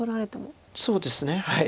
そうですねはい。